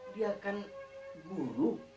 dia kan guru